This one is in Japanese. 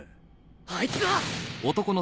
あいつは‼